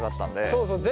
そうそう。